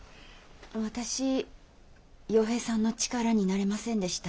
私陽平さんの力になれませんでした。